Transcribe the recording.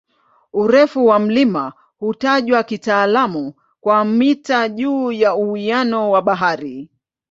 Urefu wa mlima hutajwa kitaalamu kwa "mita juu ya uwiano wa bahari".